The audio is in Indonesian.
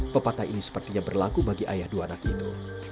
pepatah ini sepertinya berlaku bagi ayah dua anak itu